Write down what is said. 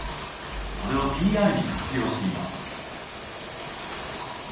それをＰＲに活用しています。